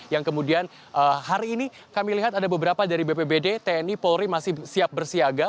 yang kemudian hari ini kami lihat ada beberapa dari bpbd tni polri masih siap bersiaga